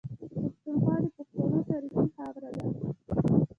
پښتونخوا د پښتنو تاريخي خاوره ده.